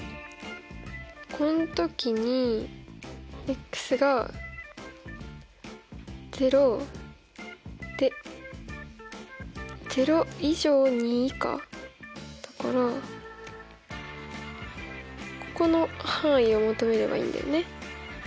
このときにが０で０以上２以下だからここの範囲を求めればいいんだよね。